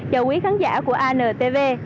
chào quý khán giả của antv